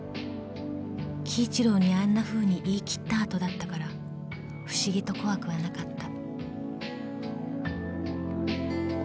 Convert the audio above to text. ［輝一郎にあんなふうに言い切った後だったから不思議と怖くはなかった］